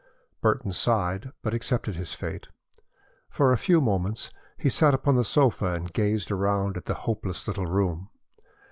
Burton sighed but accepted his fate. For a few moments he sat upon the sofa and gazed around at the hopeless little room.